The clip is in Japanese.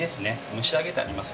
蒸し上げてあります。